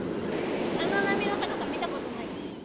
あの波の高さ、見たことない。